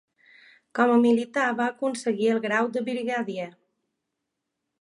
Com a militar va aconseguir el grau de Brigadier.